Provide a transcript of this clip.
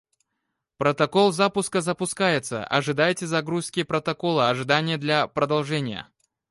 Протокол запуска запускается, ожидайте загрузки протокола ожидания для продолжения.